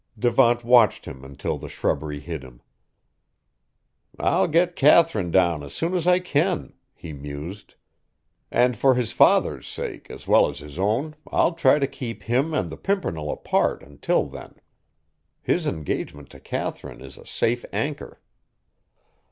Devant watched him until the shrubbery hid him. "I'll get Katharine down as soon as I can," he mused; "and for his father's sake, as well as his own, I'll try to keep him and the pimpernel apart until then. His engagement to Katharine is a safe anchor."